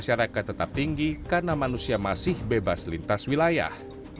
masyarakat tetap tinggi karena manusia masih bebas lintas wilayah